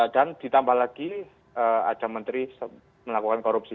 ditambah lagi ada menteri melakukan korupsi